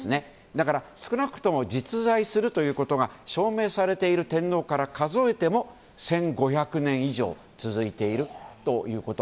だから少なくとも実在するということが証明されている天皇から数えても１５００年以上続いているということ。